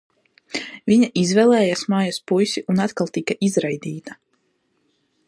Viņa izvēlējās mājas puisi un atkal tika izraidīta.